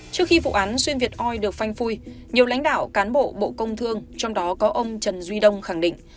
trước khi vụ án xuyên việt oi được phanh phui nhiều lãnh đạo cán bộ bộ công thương trong đó có ông trần duy đông khẳng định